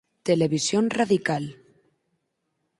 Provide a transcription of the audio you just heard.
Televisión radical